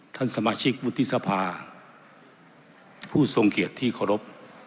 ท่านสมาชิกวุฒิสภาผู้ทรงเกียรติที่เคารพ